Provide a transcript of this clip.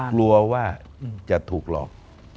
กลัวว่าจะถูกหลอก